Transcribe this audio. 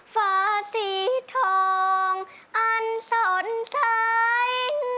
ฝาสีทองอันสนใส